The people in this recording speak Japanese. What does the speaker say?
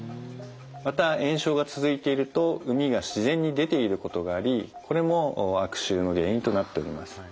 また炎症が続いていると膿が自然に出ていることがありこれも悪臭の原因となっております。